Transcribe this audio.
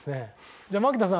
じゃあ牧田さん